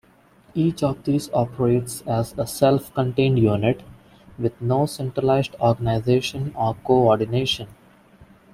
Each of these operates as a self-contained unit, with no centralized organization or coordination.